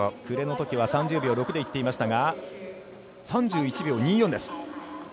暮れの時は３０秒６でいっていましたが３１秒２４です。